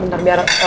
bentar biar aku buka